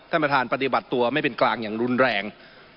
ท่านประธานปฏิบัติตัวไม่เป็นกลางอย่างรุนแรง